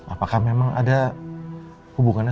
apakah memang ada hubungannya